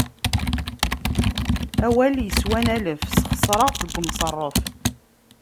Awal yeswan alef, sexseṛeɣ-t deg umṣeṛṛef.